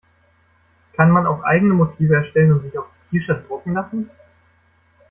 Kann man auch eigene Motive erstellen und sich aufs T-Shirt drucken lassen?